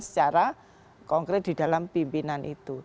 secara konkret di dalam pimpinan itu